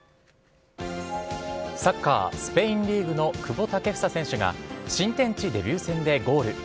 サッカースペインリーグの久保建英選手が、新天地デビュー戦でゴール。